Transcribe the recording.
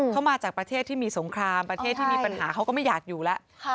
เขามาจากประเทศที่มีสงครามประเทศที่มีปัญหาเขาก็ไม่อยากอยู่แล้ว